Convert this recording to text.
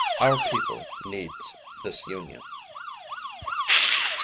Our peo ple needs this union.